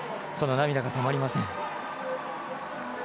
涙が止まりません。